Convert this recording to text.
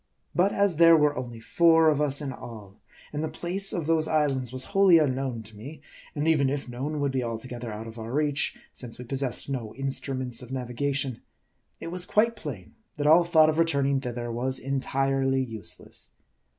But as there were only four of us in all ; and the place of those islands was wholly un known to me ; and even if known, would be altogether out of our reach, since we possessed no instruments of naviga tion ; it was quite plain that all thought of returning thither was entirely useless.